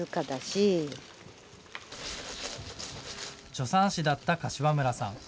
助産師だった柏村さん。